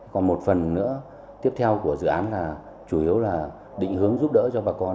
còn một phần nữa tiếp theo của dự án là chủ yếu là định hướng giúp đỡ cho bà con